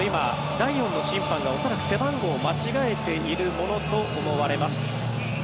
第４の審判が恐らく背番号を間違えているものと思われます。